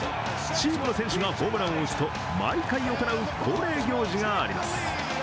チームの選手がホームランを打つと、毎回行う恒例行事があります。